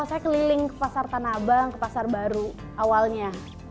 saya keliling ke pasar tanabang ke pasar baru awalnya